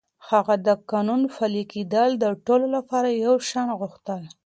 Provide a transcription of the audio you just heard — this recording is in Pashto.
هغه د قانون پلي کېدل د ټولو لپاره يو شان غوښتل.